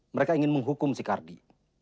mereka ingin menghukum si kardi